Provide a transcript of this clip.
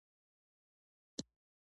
چین په صنعتي تولید کې لومړی دی.